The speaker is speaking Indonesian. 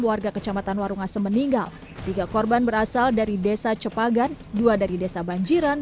warga kecamatan warungase meninggal tiga korban berasal dari desa cepagan dua dari desa banjiran